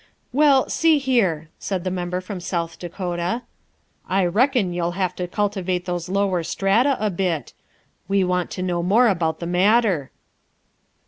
''" Well, see here," said the Member from South Dakota, " I reckon you'll have to cultivate those lower strata a bit. We want to know more about the matter."